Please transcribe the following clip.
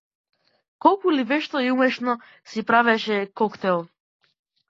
Колку ли вешто и умешно си правеше коктел!